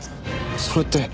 それって。